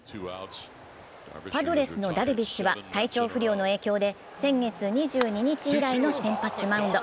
パドレスのダルビッシュは体調不良の影響で先月２２日以来の先発マウンド。